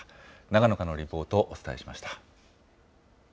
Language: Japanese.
長野からのリポート、お伝えしました。